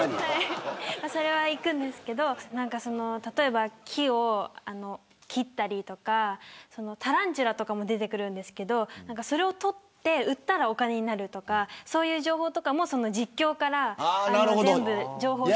それは行くんですけど例えば木を切ったりとかタランチュラとかも出てくるんですけどそれを取って売ったらお金になるとかそういう情報とかも実況から情報収集して。